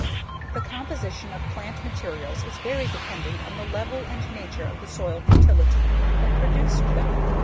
The composition of plant materials is very dependent on the level and nature of the soil fertility that produced them.